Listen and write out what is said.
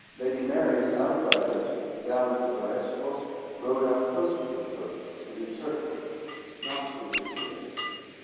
Lady Mary's outriders, the gallants of her escort, rode up close to the coach and encircled it, not interfering.